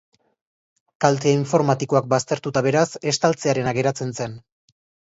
Kalte informatikoak baztertuta, beraz, estaltzearena geratzen zen.